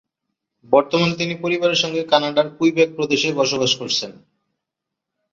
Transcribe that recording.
বর্তমানে তিনি পরিবারের সঙ্গে কানাডার কুইবেক প্রদেশে বসবাস করছেন।